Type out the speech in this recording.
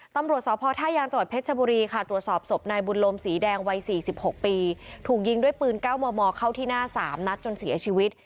ตำรวจสพท่ายางจังหวัดเพชรชบุรีค่ะตรวจสอบศพนายบุญลมสีแดงวัย๔๖ปีถูกยิงด้วยปืน๙มมเข้าที่หน้า๓นัดจนเสียชีวิต